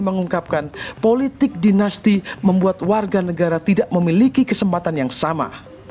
mengungkapkan politik dinasti membuat warga negara tidak memiliki kesempatan yang sama